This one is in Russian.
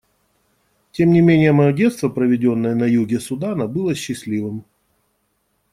Тем не менее мое детство, проведенное на юге Судана, было счастливым.